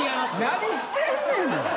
何してんねんな！